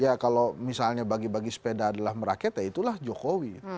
ya kalau misalnya bagi bagi sepeda adalah merakyat ya itulah jokowi